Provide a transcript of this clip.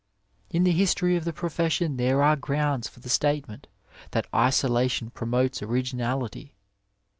In the history of the profession there are grounds for the statement that isolation promotes originality.